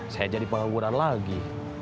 saya jadi pelaburan lagi